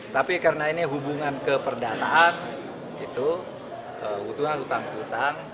tapi karena ini hubungan ke perdataan itu hutang hutang